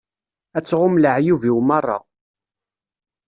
Ad tɣum leεyub-iw meṛṛa.